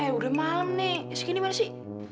eh udah malam nih sekini masi